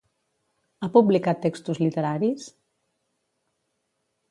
Ha publicat textos literaris?